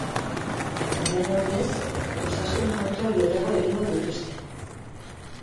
Horren ordez, osasun kontrol gehiago egingo dituzte.